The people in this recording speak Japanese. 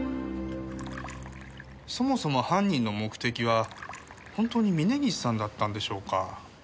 そもそも犯人の目的は本当に峰岸さんだったんでしょうか？